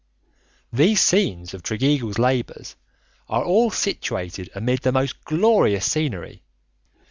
These scenes of Tregeagle's labours are all situated amid most glorious scenery.